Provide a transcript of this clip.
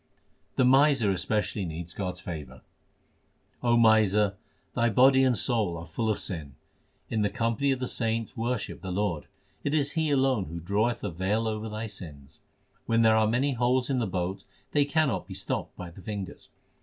The miser especially needs God s favour : O miser, thy body and soul are full of sin. In the company of the saints worship the Lord ; it is He alone who draweth a veil over thy sins. When there are many holes in the boat, 1 they cannot be stopped by the fingers.